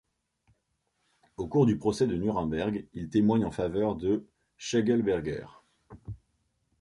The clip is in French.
Au cours du procès de Nuremberg, il témoigne en faveur de Schlegelberger.